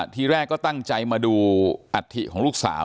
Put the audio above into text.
ทีแรกก็ตั้งใจมาดูอัฐิของลูกสาว